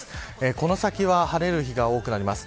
この先は晴れる日が多くなります。